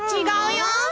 違うよ。